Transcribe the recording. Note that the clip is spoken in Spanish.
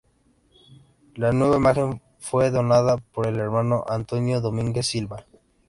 La nueva imagen fue donada por el hermano Antonio Domínguez Silva.